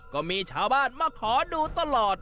ก็มีชาวบ้านมาขอดูตลอด